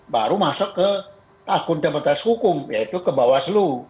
baru masuk ke akuntabilitas hukum yaitu ke bawaslu